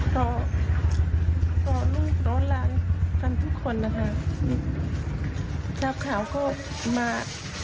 ต่อต่อลูกต่อร้านกันทุกคนนะคะรับข่าวก็มา